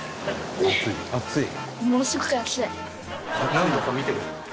何度か見て。